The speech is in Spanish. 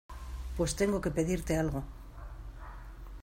pues tengo que pedirte algo.